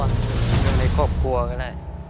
เรื่องในครอบครัวก็ได้